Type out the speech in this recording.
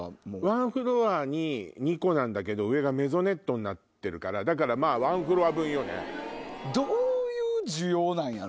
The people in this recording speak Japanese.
ワンフロアに２個なんだけど上がメゾネットになってるからだからまぁワンフロア分よね。